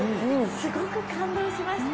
すごく感動しました。